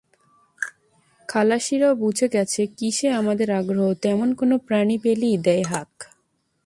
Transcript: খালাসিরাও বুঝে গেছে, কিসে আমাদের আগ্রহ, তেমন কোনো প্রাণী পেলেই দেয় হাঁক।